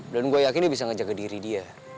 dan gue yakin dia bisa ngejaga diri dia